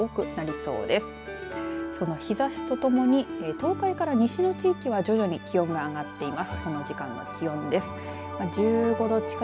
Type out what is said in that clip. その日ざしとともに東海から西の地域は徐々に気温が上がっています。